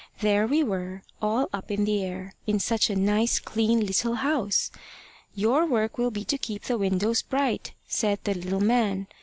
There we were, all up in the air, in such a nice, clean little house! `Your work will be to keep the windows bright,' said the little man.